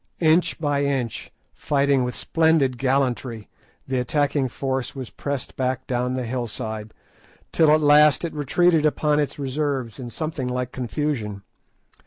Inch by inch, fighting with splendid gallantry, the attacking force was pressed back down the hillside, till at last it retreated upon its reserves in something like confusion.